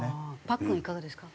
パックンいかがですか？